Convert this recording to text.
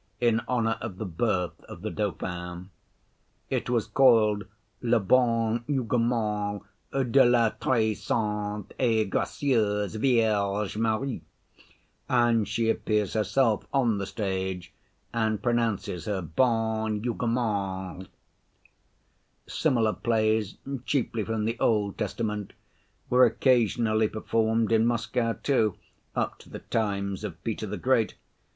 in honor of the birth of the dauphin. It was called Le bon jugement de la très sainte et gracieuse Vierge Marie, and she appears herself on the stage and pronounces her bon jugement. Similar plays, chiefly from the Old Testament, were occasionally performed in Moscow too, up to the times of Peter the Great.